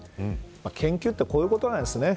研究とはこういうことなんですね。